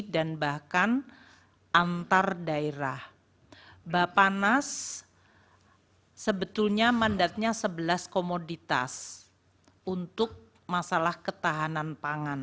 dan bahkan antar daerah bapanas sebetulnya mandatnya sebelas komoditas untuk masalah ketahanan pangan